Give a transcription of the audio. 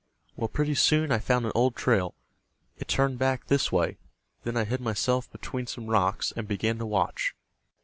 Well, pretty soon I found an old trail. It turned back this way. Then I hid myself between some rocks, and began to watch.